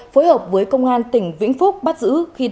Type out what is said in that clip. phối hợp với công an tỉnh vĩnh phúc bắt giữ khi